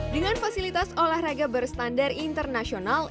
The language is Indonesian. dengan fasilitas olahraga berstandar internasional